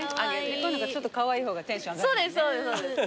こういうのちょっとカワイイ方がテンション上がるもんね。